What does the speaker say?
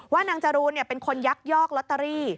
นางจรูนเป็นคนยักยอกลอตเตอรี่